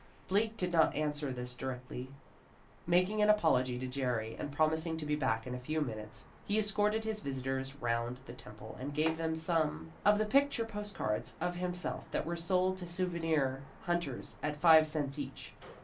Bleak did not answer this directly. Making an apology to Jerry and promising to be back in a few minutes, he escorted his visitors round the temple and gave them some of the picture postcards of himself that were sold to souvenir hunters at five cents each.